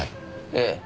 ええ。